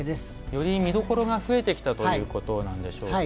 より見どころが増えてきたということなんでしょうか。